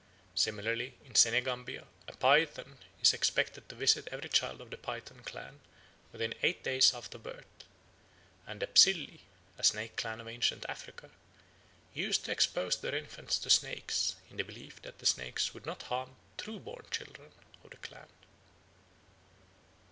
Similarly in Senegambia a python is expected to visit every child of the Python clan within eight days after birth; and the Psylli, a Snake clan of ancient Africa, used to expose their infants to snakes in the belief that the snakes would not harm true born children of the clan.